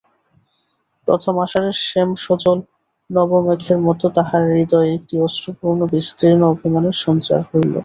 প্রথম আষাঢ়ের শ্যামসজল নবমেঘের মতো তাহার হৃদয়ে একটি অশ্রুপূর্ণ বিস্তীর্ণ অভিমানের সঞ্চার হইল।